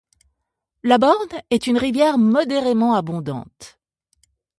La Borne est une rivière modérément abondante.